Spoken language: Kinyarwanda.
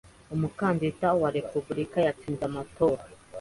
Umukandida wa Repubulika yatsinze amatora